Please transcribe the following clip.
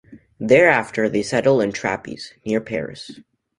Thereafter they settled in Trappes, near Paris.